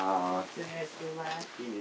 失礼します。